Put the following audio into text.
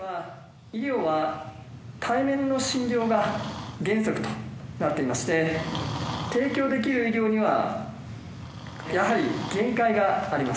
医療は対面の診療が原則となっていまして提供できる医療にはやはり限界があります。